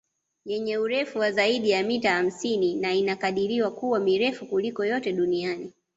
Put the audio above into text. Yenye urefu wa zaidi ya mita hamsini na inakadiliwa kuwa mirefu kuliko yote duniani